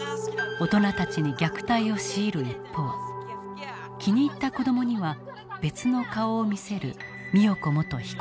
大人たちに虐待を強いる一方気に入った子どもには別の顔を見せる美代子元被告。